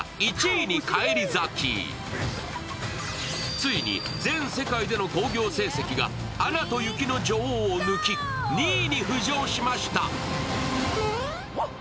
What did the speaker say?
ついに、全世界での興行成績が「アナと雪の女王」を抜き２位に浮上しました。